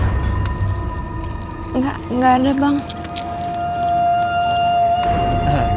enggak enggak ada bang